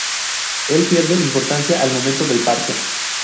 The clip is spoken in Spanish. Él pierde importancia al momento del parto.